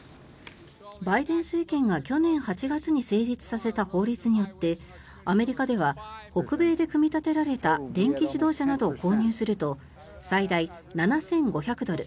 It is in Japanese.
バイデン政権が去年８月に成立させた法律によってアメリカでは北米で組み立てられた電気自動車などを購入すると最大７５００ドル